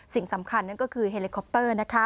สิ่งสำคัญนั่นก็คือเฮลิคอปเตอร์